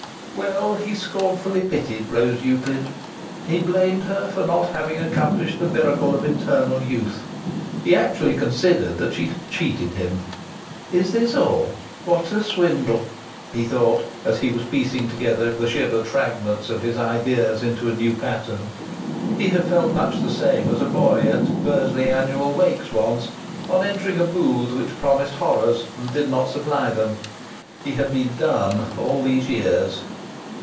Well, he scornfully pitied Rose Euclid! He blamed her for not having accomplished the miracle of eternal youth. He actually considered that she had cheated him. "Is this all? What a swindle!" he thought, as he was piecing together the shivered fragments of his ideas into a new pattern. He had felt much the same as a boy, at Bursley Annual Wakes once, on entering a booth which promised horrors and did not supply them. He had been "done" all these years....